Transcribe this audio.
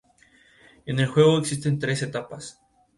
En el juego existen tres etapas.